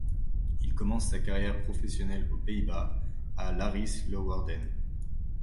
Il commence sa carrière professionnelle aux Pays-Bas, à l'Aris Leeuwarden.